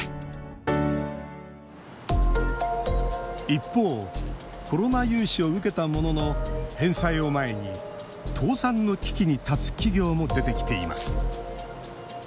一方コロナ融資を受けたものの返済を前に倒産の危機に立つ企業も出てきています。